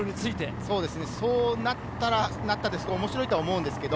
そうなったらなったで面白いと思うんですけれど。